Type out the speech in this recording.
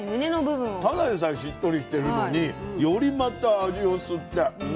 ただでさえしっとりしてるのによりまた味を吸って。